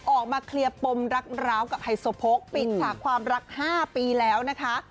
ออกมาเคลียร์ปมรักร้าวกับไฮโซโพกปิดฉากความรัก๕ปีแล้วนะคะ